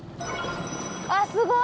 あっすごい！